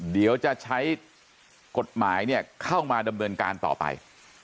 เดี๋ยวจะใช้กฎหมายเข้ามาดำเนินการต่อไป